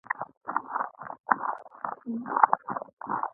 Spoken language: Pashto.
د سهوې اعتراف د بنده شرف دی.